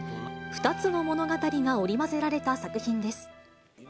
２つの物語が織り交ぜられた作品です。